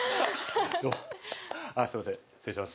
どうもああすいません失礼します